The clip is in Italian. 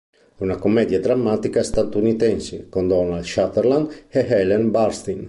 È una commedia drammatica statunitense con Donald Sutherland e Ellen Burstyn.